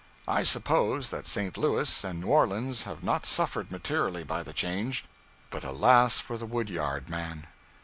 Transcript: I suppose that St. Louis and New Orleans have not suffered materially by the change, but alas for the wood yard man!